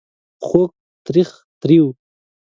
خوږ .. تریخ ... تریو ...